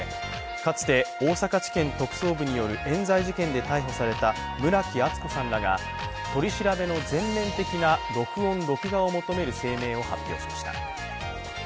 かつて大阪地検特捜部によるえん罪事件で逮捕された村木厚子さんらが取り調べの全面的な録音・録画を求める声明を発表しました。